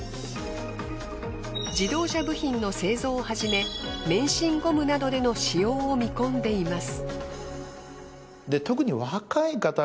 自動車部品の製造をはじめ免震ゴムなどでの使用を見込んでいます。